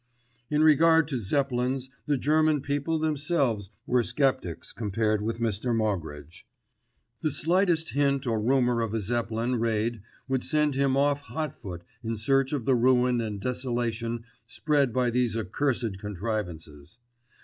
In regard to Zeppelins the German people themselves were sceptics compared with Mr. Moggridge. The slightest hint or rumour of a Zeppelin raid would send him off hot foot in search of the ruin and desolation spread by these accursed contrivances.